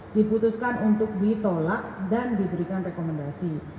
diputuskan untuk ditolak dan diberikan rekomendasi